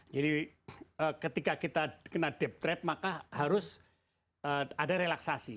jadi ketika kita kena debt trap maka harus ada relaksasi